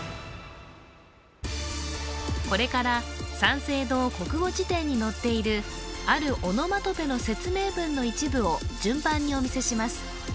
これから三省堂国語辞典に載っているあるオノマトペの説明文の一部を順番にお見せします